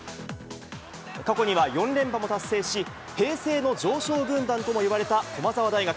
過去には４連覇も達成し、平成の常勝軍団ともいわれた駒澤大学。